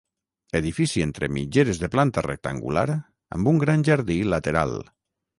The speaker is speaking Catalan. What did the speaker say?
Edifici entre mitgeres de planta rectangular, amb un gran jardí lateral.